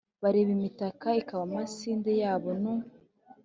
Bareba imitaka, ikaba amasinde yabo nu :